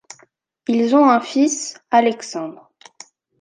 Ils ont un fils, Alexandre.